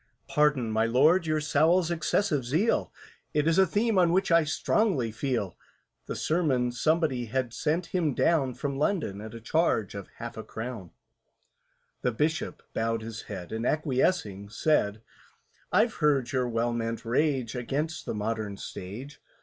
"Pardon, my Lord, your SOWLS' excessive zeal, It is a theme on which I strongly feel." (The sermon somebody had sent him down From London, at a charge of half a crown.) The Bishop bowed his head, And, acquiescing, said, "I've heard your well meant rage Against the Modern Stage.